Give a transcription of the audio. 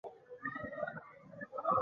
دوی تر اباسین واوښتل.